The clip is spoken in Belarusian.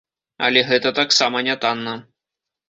Але гэта таксама нятанна.